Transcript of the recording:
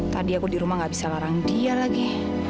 tadi aku di rumah gak bisa larang dia lagi